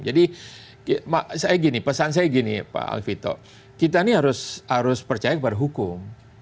jadi saya gini pesan saya gini pak alfito kita ini harus percaya kepada hukum